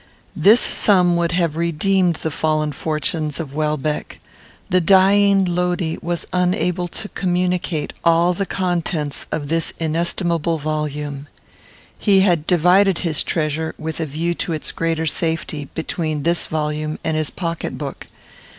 This sum would have redeemed the fallen fortunes of Welbeck. The dying Lodi was unable to communicate all the contents of this inestimable volume. He had divided his treasure, with a view to its greater safety, between this volume and his pocket book.